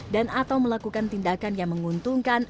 dan atau melakukan tindakan yang menguntungkan